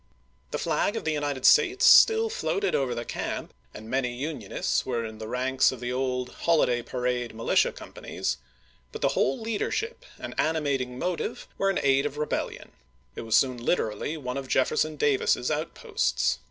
The flag of the United States still floated over the camp and many Unionists were in the ranks of the old holiday parade militia companies, but the whole leadership and animating motive were in aid of rebellion : it was already literally one of Jefferson Davis's outposts.